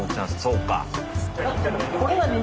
そうか。